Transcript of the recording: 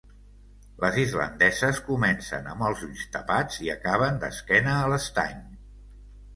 Les islandeses comencen amb els ulls tapats i acaben d'esquena a l'estany.